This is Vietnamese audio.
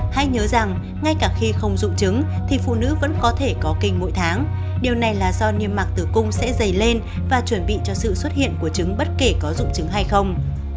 hãy nhớ rằng ngay cả khi không dung trứng thì phụ nữ vẫn có thể có kinh mỗi tháng điều này là do niềm mạc tử cung sẽ dày lên và chuẩn bị cho sự xuất hiện của trứng bất kể có dung trứng hay không